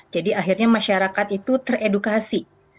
jadi akhirnya masyarakat itu teredukasi